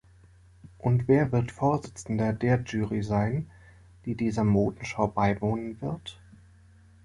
Und wer wird Vorsitzender der Jury sein, die dieser Modenschau beiwohnen wird?